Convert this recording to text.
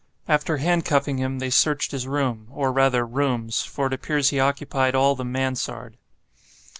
After hand cuffing him, they searched his room, or rather rooms, for it appears he occupied all the mansarde.